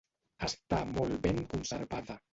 Està molt ben conservada.